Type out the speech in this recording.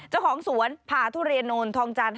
เจ้าของสวนผ่าทุเรียนโนนทองจันทร์